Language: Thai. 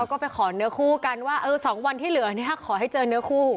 ก็ไปขอเนื้อคู่กันว่า๒วันที่เหลือขอให้เจอเนื้อคู่